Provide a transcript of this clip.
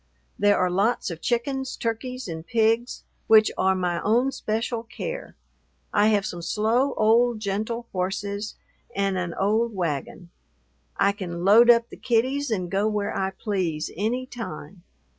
There are lots of chickens, turkeys, and pigs which are my own special care. I have some slow old gentle horses and an old wagon. I can load up the kiddies and go where I please any time.